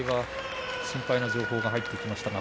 心配な情報が入ってきました。